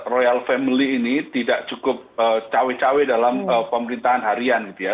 royal family ini tidak cukup cawe cawe dalam pemerintahan harian gitu ya